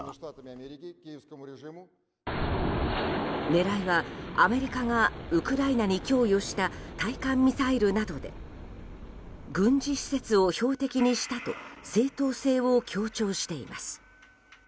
狙いはアメリカがウクライナに供与した対艦ミサイルなどで軍事施設を標的にしたと正当性を強調しています。